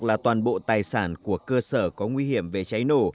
là toàn bộ tài sản của cơ sở có nguy hiểm về cháy nổ